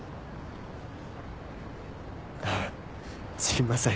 すいません。